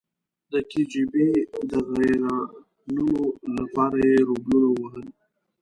د کې جی بي د غیرانونو لپاره یې روبلونه ووهل.